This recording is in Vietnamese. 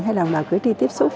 hay là cử tri tiếp xúc